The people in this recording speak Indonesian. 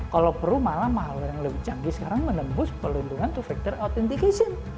kalau perlu malah mahal yang lebih canggih sekarang menembus pelindungan to factor authentication